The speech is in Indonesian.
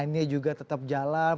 perusahaan juga tetap jalan